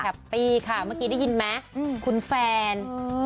แคปปี้ค่ะเมื่อกี้ได้ยินมั้ยคุณแฟน